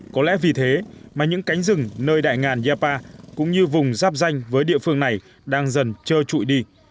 có lẽ vì thế mà những cánh rừng nơi đại ngàn yapa cũng như vùng giáp danh với địa phương này đang dần trơ trụi đi